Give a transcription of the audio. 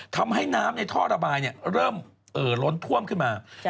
ทำให้น้ำในท่อระบายเริ่มล้นท่วมขึ้นมา